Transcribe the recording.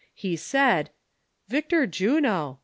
He said : "Victor Juno!